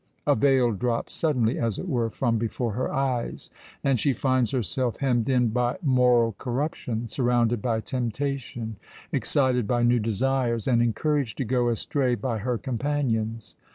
A veil drops suddenly, as it were, from before her eyes; and she finds herself hemmed in by moral corruption—surrounded by temptation—excited by new desires—and encouraged to go astray by her companions.